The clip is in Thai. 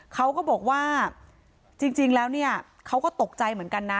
เขาก็บอกว่าจริงแล้วเนี่ยเขาก็ตกใจเหมือนกันนะ